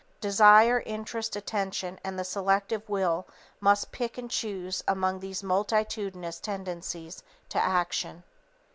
Desire, interest, attention and the selective will must pick and choose among these multitudinous tendencies to action.